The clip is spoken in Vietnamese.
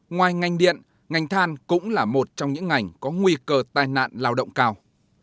ngoài ngành điện ngành than cũng là một trong những ngành có nguy cơ tai nạn lao động cao